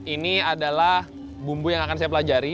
ini adalah bumbu yang akan saya pelajari